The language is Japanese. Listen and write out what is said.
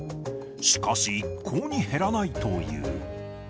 しかし、一向に減らないという。